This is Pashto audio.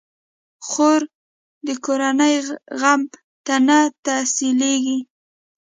خور د کورنۍ غم ته نه تسلېږي.